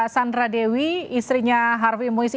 sandra dewi istrinya harvey moise